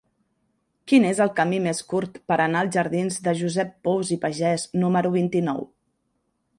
Quin és el camí més curt per anar als jardins de Josep Pous i Pagès número vint-i-nou?